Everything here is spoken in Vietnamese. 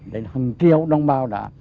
đến hằng triệu đồng bào đã